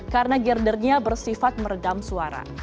karena girdernya bersifat meredam suara